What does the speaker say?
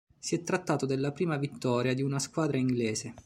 Si è trattato della prima vittoria di una squadra inglese.